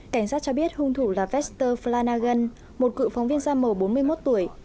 cảnh sát cho biết hung thủ là vester flnagan một cựu phóng viên da màu bốn mươi một tuổi